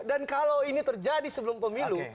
dan kalau ini terjadi sebelum pemilu